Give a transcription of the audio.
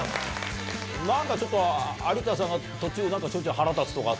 なんかちょっと、有田さんが、途中でなんかちょっと腹立つとか。